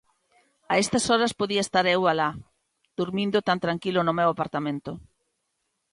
A estas horas podía estar eu alá, durmindo tan tranquilo no meu apartamento.